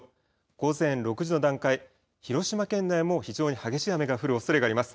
午前６時の段階、広島県内も非常に激しい雨が降るおそれがあります。